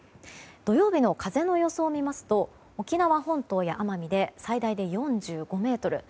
土曜日の風の予想を見ますと沖縄本島や奄美で最大で４５メートル。